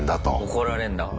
怒られんだこれ。